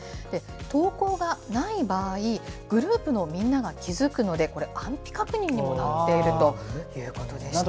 投稿がない場合、グループのみんなが気付くので、これ、安否確認にもなっているということでした。